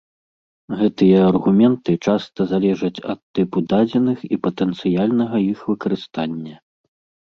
Гэтыя аргументы часта залежаць ад тыпу дадзеных і патэнцыяльнага іх выкарыстання.